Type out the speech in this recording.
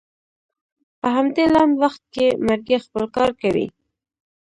په همدې لنډ وخت کې مرګي خپل کار کړی و.